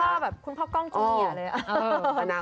คุณพ่อกล้องคุณอย่างงี้เลย